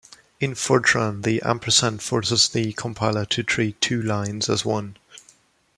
In Fortran, the ampersand forces the compiler to treat two lines as one.